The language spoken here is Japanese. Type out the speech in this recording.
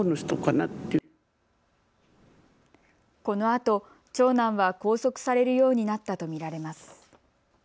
このあと長男は拘束されるようになったと見られます。